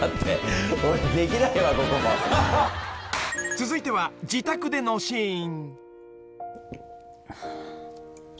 ［続いては自宅でのシーン］